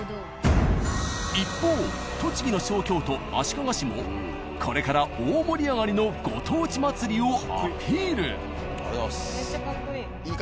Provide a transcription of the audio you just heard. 一方栃木の小京都足利市もこれから大盛り上がりのありがとうございます。